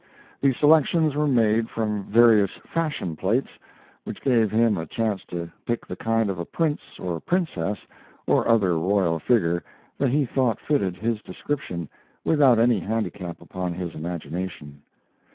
The selections were made from various fashion plates, which gave him a chance to pick the kind of a prince or princess or other royal figure that he thought fitted his description without any handicap upon his imagination.